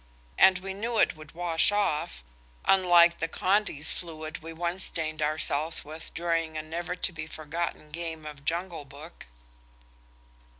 And we knew it would wash off, unlike the Condy's fluid we once stained ourselves with during a never to be forgotten game of Jungle Book.